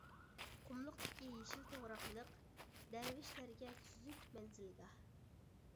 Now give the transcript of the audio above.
قۇملۇقتىكى يېشىل توغراقلىق، دەرۋىشلەرگە سۈزۈك مەنزىلگاھ.